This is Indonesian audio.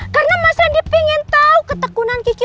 karena mas rendi pingin tau ketekunan kiki